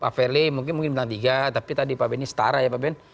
pak firly mungkin bintang tiga tapi tadi pak benny setara ya pak ben